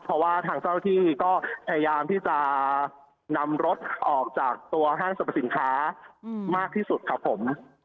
เพราะว่าทางเจ้าที่ก็พยายามที่จะนำรถออกจากตัวห้างสรรพสินค้ามากที่สุดครับผม